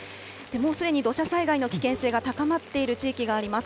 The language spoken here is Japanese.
もうすでに土砂災害の危険性が高まっている地域があります。